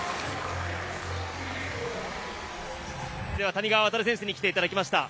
谷川航選手に来ていただきました。